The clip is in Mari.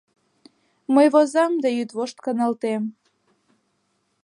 Мый возам да йӱдвошт каналтем